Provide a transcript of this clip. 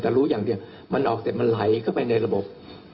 แต่รู้อย่างเดียวมันออกเสร็จมันไหลเข้าไปในระบบ